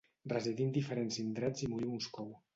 Residí en diferents indrets i morí a Moscou.